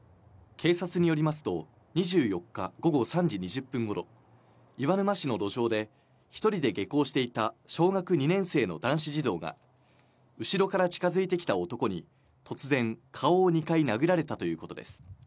警察によりますと、２４日午後３時２０分ごろ、岩沼市の路上で、１人で下校していた小学２年生の男子児童が、後ろから近づいてきた男に、突然、顔を２回殴られたということです。